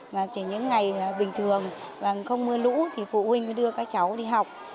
mà chỉ những ngày bình thường và không mưa lũ thì phụ huynh mới đưa các cháu đi học